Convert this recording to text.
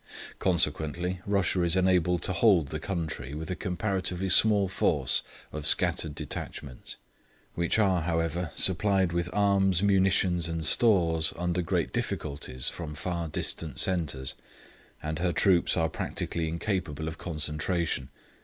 Consequently Russia is enabled to hold the country with a comparatively small force of scattered detachments, which are, however, supplied with arms, munitions and stores under great difficulties from far distant centres, and her troops are practically incapable of concentration.